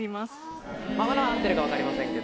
まだ合ってるか分かりませんけども。